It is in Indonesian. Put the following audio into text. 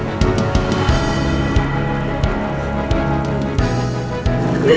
ya allah roh ayah aduh